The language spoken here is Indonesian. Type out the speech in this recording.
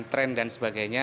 ada tren dan sebagainya